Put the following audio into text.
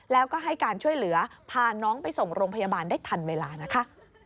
แล้วก็ให้การช่วยเหลือพาน้องไปส่งโรงพยาบาลได้ทันเวลานะคะ